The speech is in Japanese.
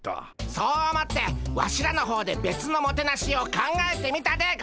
そう思ってワシらの方でべつのもてなしを考えてみたでゴンス。